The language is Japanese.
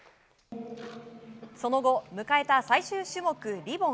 その後、迎えた最終種目リボン。